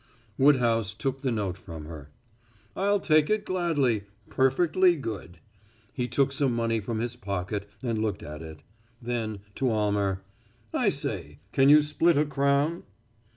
Woodhouse took the note from her. "I'll take it gladly perfectly good." He took some money from his pocket and looked at it. Then, to Almer: "I say, can you split a crown?"